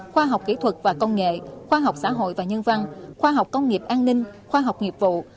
khoa học kỹ thuật và công nghệ khoa học xã hội và nhân văn khoa học công nghiệp an ninh khoa học nghiệp vụ